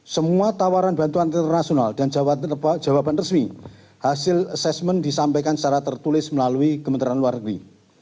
semua tawaran bantuan internasional dan jawaban resmi hasil asesmen disampaikan secara tertulis melalui kementerian luar negeri